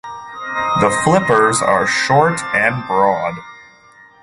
The flippers are short and broad.